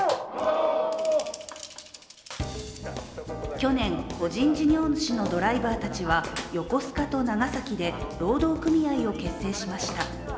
去年、個人事業主のドライバーたちは横須賀と長崎で労働組合を結成しました。